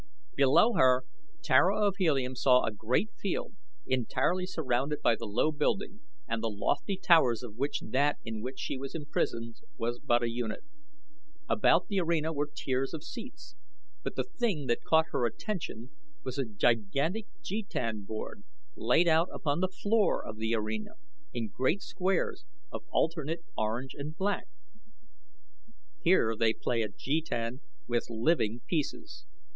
Below her Tara of Helium saw a great field entirely surrounded by the low building, and the lofty towers of which that in which she was imprisoned was but a unit. About the arena were tiers of seats; but the thing that caught her attention was a gigantic jetan board laid out upon the floor of the arena in great squares of alternate orange and black. "Here they play at jetan with living pieces.